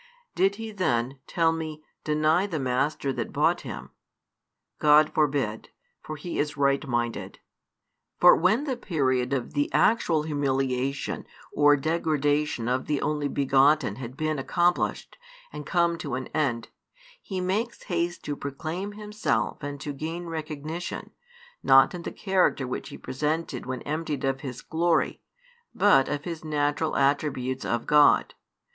Did he then, tell me, deny the Master that bought him? God forbid; for he is rightminded. For when the period of the actual humiliation or degradation of the Only begotten had been accomplished, and come to an end, He makes haste to proclaim Himself and to gain recognition, not in the character which He presented when emptied of His glory, but of His natural attributes of God.